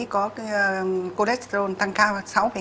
có cholesterol tăng cao sáu hai